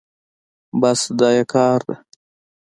بس دا يې کار ده.